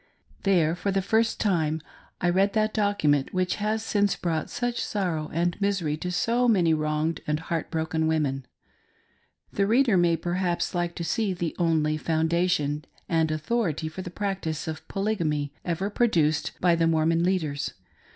There, for the first time, I read that document which has since brought such sorrow and misery to so many wronged and heart broken women. The reader may perhaps like to see the only foundation and authority for the practice of Polygamy, ever produced by the Mormon leaders.